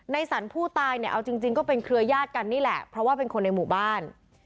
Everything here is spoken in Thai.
สันผู้ตายเนี่ยเอาจริงก็เป็นเครือญาติกันนี่แหละเพราะว่าเป็นคนในหมู่บ้าน